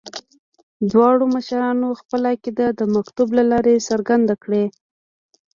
دواړو مشرانو خپله عقیده د مکتوب له لارې څرګنده کړې.